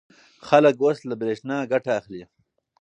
خلک اوس له برېښنا ګټه اخلي.